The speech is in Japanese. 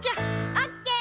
オッケー。